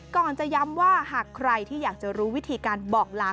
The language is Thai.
ก่อนจะย้ำว่าหากใครที่อยากจะรู้วิธีการบอกลา